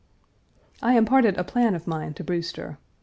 I imparted a plan of mine to Brewster.